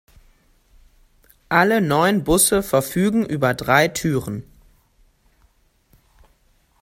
Alle neun Busse verfügen über drei Türen.